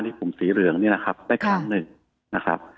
กลุ่มสีเหลืองนี่นะครับได้ครั้งหนึ่งนะครับ